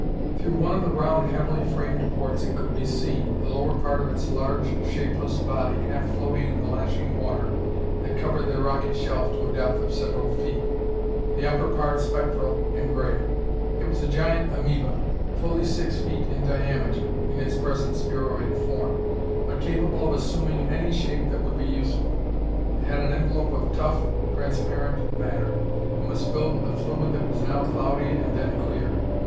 Through one of the round, heavily framed ports it could be seen, the lower part of its large, shapeless body half floating in the lashing water that covered their rocky shelf to a depth of several feet, the upper part spectral and gray. It was a giant amoeba, fully six feet in diameter in its present spheroid form, but capable of assuming any shape that would be useful. It had an envelope of tough, transparent matter, and was filled with a fluid that was now cloudy and then clear.